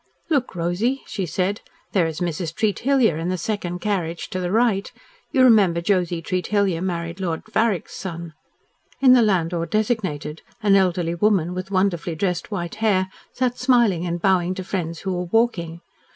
"Look, Rosy," she said. "There is Mrs. Treat Hilyar in the second carriage to the right. You remember Josie Treat Hilyar married Lord Varick's son." In the landau designated an elderly woman with wonderfully dressed white hair sat smiling and bowing to friends who were walking.